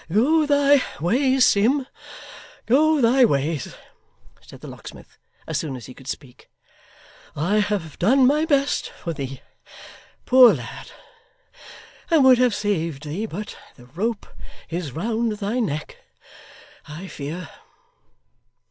'Go thy ways, Sim, go thy ways,' said the locksmith, as soon as he could speak. 'I have done my best for thee, poor lad, and would have saved thee, but the rope is round thy neck, I fear.